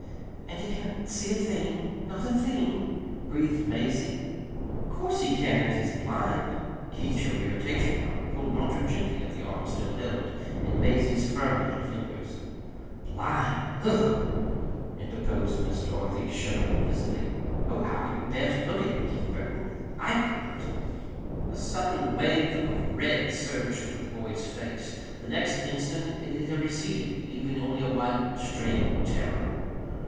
"And he can't see a thing not a thing?" breathed Mazie. "'Course he can't, if he's blind!" Keith showed irritation now, and pulled not too gently at the arm still held in Mazie's firm little fingers. "Blind! Ugghh!" interposed Miss Dorothy, shuddering visibly. "Oh, how can you bear to look at him, Keith Burton? I couldn't!" A sudden wave of red surged over the boy's face. The next instant it had receded, leaving only a white, strained terror.